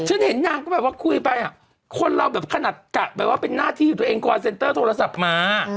ฉันเห็นนางก็แบบว่าคุยไปคนเราแบบขนาดกะแบบว่าเป็นหน้าที่อยู่ตัวเองคอยเซ็นเตอร์โทรศัพท์มา